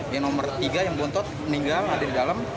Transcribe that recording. yang nomor tiga yang bontot meninggal ada di dalam